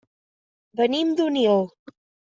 Venim d'Onil.